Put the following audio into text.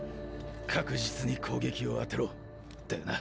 確実に攻撃を当てろだよな？